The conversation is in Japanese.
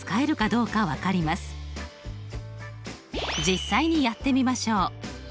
実際にやってみましょう。